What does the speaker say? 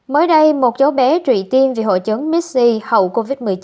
mới đây một cháu bé trụy tiên vì hội chứng mixi hậu covid một mươi chín